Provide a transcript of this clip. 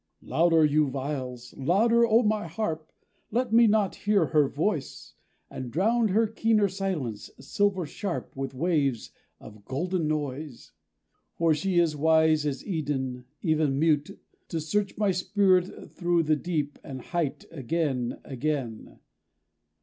Louder, you viols; louder, O my harp; Let me not hear her voice; And drown her keener silence, silver sharp, With waves of golden noise! For she is wise as Eden, even mute, To search my spirit through the deep and height Again, again.